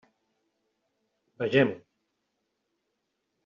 Vegem-ho.